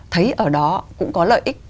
thấy ở đó cũng có lợi ích